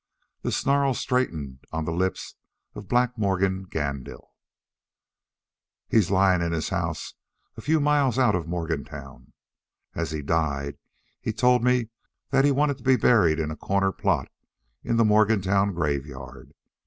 The snarl straightened on the lips of Black Morgan Gandil. "He's lying in his house a few miles out of Morgantown. As he died he told me that he wanted to be buried in a corner plot in the Morgantown graveyard.